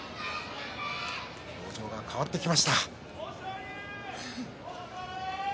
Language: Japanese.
表情が変わってきました。